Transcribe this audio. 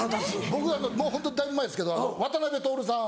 僕もうホントだいぶ前ですけど渡辺徹さん。